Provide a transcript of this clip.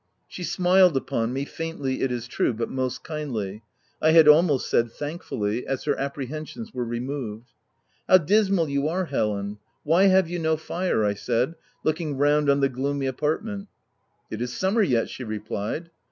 She smiled upon me, faintly it is true, but most kindly — I had almost said thankfully, as her apprehensions were removed. " How dismal you are, Helen ! Why have you no fire i' 3 I said, looking round on the gloomy apartment. " It is summer yet/* she replied.